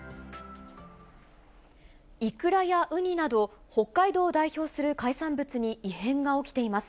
イクラやウニなど、北海道を代表する海産物に異変が起きています。